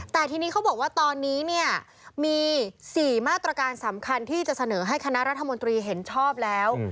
แต่ทีนี้เขาบอกว่าตอนนี้เนี่ยมี๔มาตรการสำคัญที่จะเสนอให้คณะรัฐมนตรีเห็นชอบแล้ว